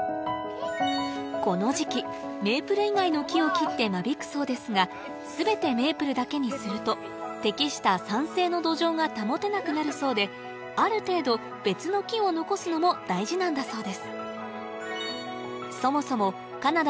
この時期メープル以外の木を切って間引くそうですが全てメープルだけにすると適した酸性の土壌が保てなくなるそうである程度別の木を残すのも大事なんだそうです